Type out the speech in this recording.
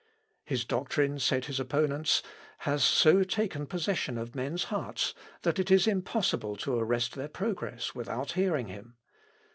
His doctrine, said his opponents, has so taken possession of men's hearts, that it is impossible to arrest their progress without hearing him.